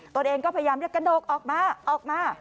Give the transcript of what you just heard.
ตัวเองก็พยายามจะกระดกออกมาออกมา